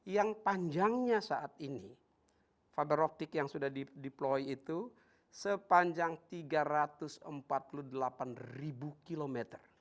yang panjangnya saat ini fiber optic yang sudah diploi itu sepanjang tiga ratus empat puluh delapan km